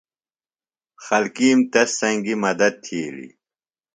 خلکیم تس سنگیۡ مدت تِھیلیۡ۔